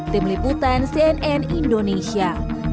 di meliputan cnn indonesia